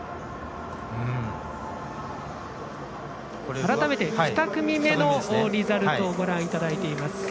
改めて、２組目のリザルトをご覧いただいています。